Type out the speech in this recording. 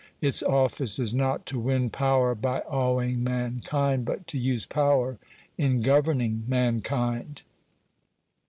Its office is not to win power by awing mankind, but to use power in governing mankind.